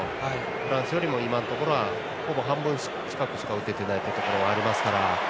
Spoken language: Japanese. フランスよりも今のところはほぼ半分しか打ててないというところはありますから。